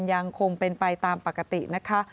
ยังคงเป็นไปตามปกตินะคะ